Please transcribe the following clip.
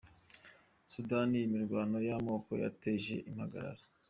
Sudani Imirwano y’amako yateje impagarara